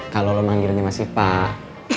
kalau lo manggilnya masih pak